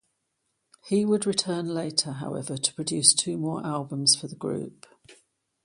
He would return later, however, to produce two more albums for the group.